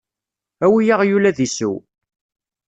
Awi aɣyul ad d-isew.